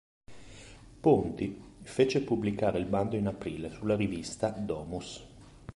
Ponti fece pubblicare il bando in aprile sulla sua rivista, "Domus".